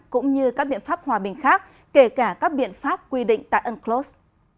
cũng như các biện pháp hòa bình khác kể cả các biện pháp quy định tại unclos